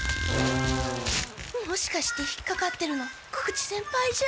もしかして引っかかってるの久々知先輩じゃ。